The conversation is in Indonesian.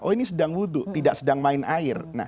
oh ini sedang wudhu tidak sedang main air